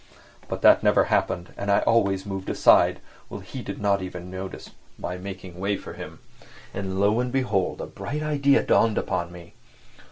But that never happened, and I always moved aside, while he did not even notice my making way for him. And lo and behold a bright idea dawned upon me!